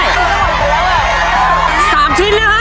๓ชิ้นเลยครับ๓ชิ้นนะ